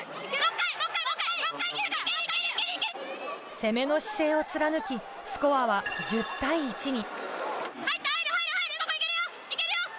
攻めの姿勢を貫きスコアは１０対１に。